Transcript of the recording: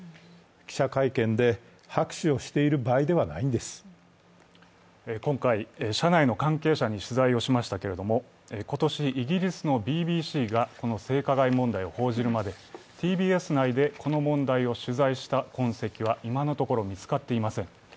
記者会見で拍手をしている場合ではないんです今回、社内の関係者に取材をしましたけれど今年、イギリスのＢＢＣがこの性加害問題を報じるまでＴＢＳ内でこの問題を取材した痕跡は今のところ見つかっていません。